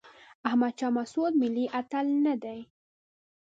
احمد شاه مسعود ملي اتل نه دی.